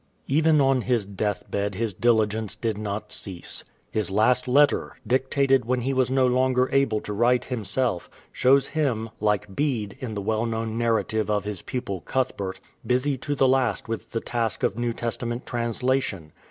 "^ Even on his death bed his diligence did not cease. His last letter, dictated when he was no longer able to write himself, shows him, like Bede in the well known narrative of his pupil Cuthbert, busy to the last with the task of New Testament translation.